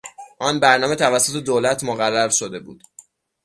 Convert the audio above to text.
آن برنامه توسط دولت مقرر شده بود.